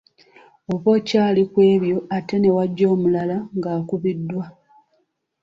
Oba okyali ku ebyo ate ne wajja omulala nga naye akubiddwa.